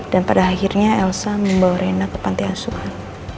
dan pada akhirnya elsa membawa rena ke pantai asuhan